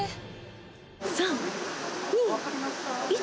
３２１。